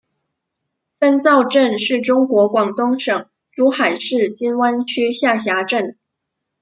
三灶镇是中国广东省珠海市金湾区下辖镇。